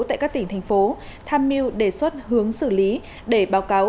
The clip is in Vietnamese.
tại các tỉnh thành phố tham mưu đề xuất hướng xử lý để báo cáo